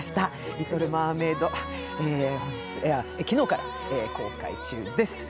「リトル・マーメイド」、昨日から公開中です。